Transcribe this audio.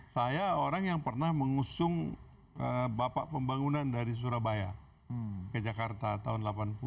saya orang yang pernah mengusung bapak pembangunan dari surabaya ke jakarta tahun seribu sembilan ratus delapan puluh